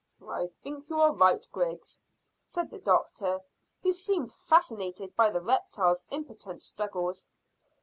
"I think you are right, Griggs," said the doctor, who seemed fascinated by the reptile's impotent struggles.